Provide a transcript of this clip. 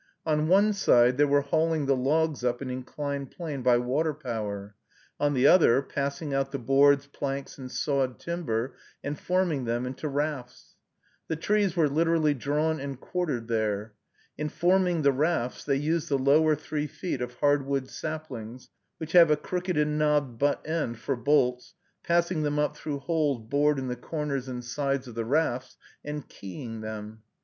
On one side, they were hauling the logs up an inclined plane by water power; on the other, passing out the boards, planks, and sawed timber, and forming them into rafts. The trees were literally drawn and quartered there. In forming the rafts, they use the lower three feet of hard wood saplings, which have a crooked and knobbed butt end, for bolts, passing them up through holes bored in the corners and sides of the rafts, and keying them.